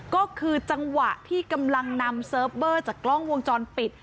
ก็คือจังหวะที่กำลังนำเซิร์ฟเวอร์จากกล้องวงจรปิด